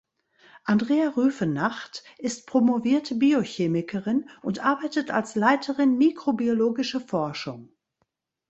Andrea Rüfenacht ist promovierte Biochemikerin und arbeitet als Leiterin mikrobiologische Forschung.